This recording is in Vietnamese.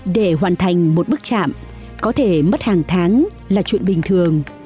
để hoàn thành một bức chạm có thể mất hàng tháng là chuyện bình thường